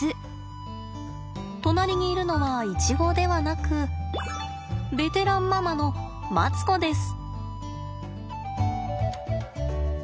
隣にいるのはイチゴではなくベテランママのマツコです。